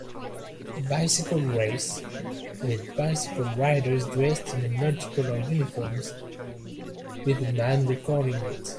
A bicycle race, with bicycle riders dressed in multicolor uniforms, with a man recording it.